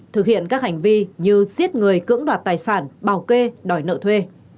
thực hiện các hành vi như giết người cưỡng đoạt tài sản bảo kê đòi nợ thuê